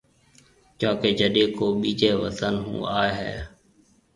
ڪيونڪہ جڏي ڪو ٻيجي وطن هون آئي هيَ۔